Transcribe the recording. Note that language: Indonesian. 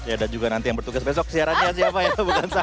ya dan juga nanti yang bertugas besok siarannya siapa ya bukan saya